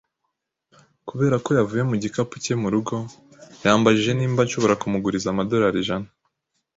Kubera ko yavuye mu gikapu cye mu rugo, yambajije niba nshobora kumuguriza amadolari ijana